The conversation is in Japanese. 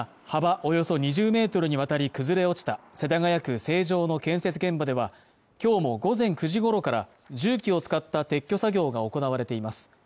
およそ２０メートルにわたり崩れ落ちた世田谷区成城の建設現場では今日も午前９時ごろから重機を使った撤去作業が行われています